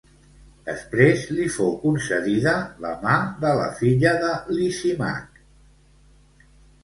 Després li fou concedida la mà de la filla de Lisímac.